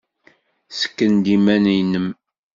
Ssken-d iman-nnem.